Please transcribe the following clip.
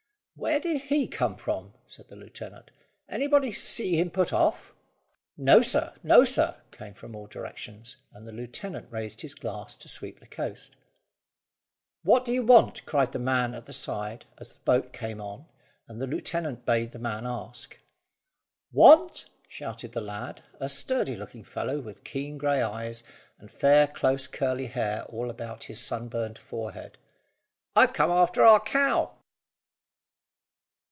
"Where did he come from?" said the lieutenant. "Anybody see him put off?" "No, sir! No, sir!" came from all directions; and the lieutenant raised his glass to sweep the coast. "What do you want?" cried the man at the side as the boat came on, and the lieutenant bade the man ask. "Want?" shouted the lad, a sturdy looking fellow with keen grey eyes and fair close curly hair all about his sunburned forehead. "I've come after our cow!"